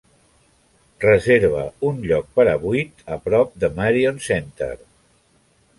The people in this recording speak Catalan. Reserva un lloc per a vuit a prop de Marion Center